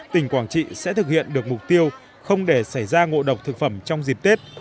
tỉnh quảng trị sẽ thực hiện được mục tiêu không để xảy ra ngộ độc thực phẩm trong dịp tết